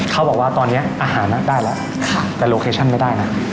เขาบอกว่าตอนนี้อาหารนักได้แล้วแต่โลเคชั่นไม่ได้นะ